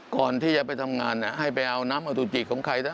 ก่อนที่จะไปทำงานให้ไปเอาน้ำอสุจิของใคร